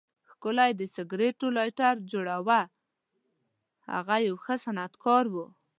ښکلی د سګریټو لایټر جوړاوه، هغه یو ښه صنعتکار و.